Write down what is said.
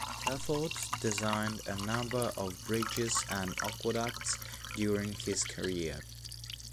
Telford designed a number of bridges and aqueducts during his career.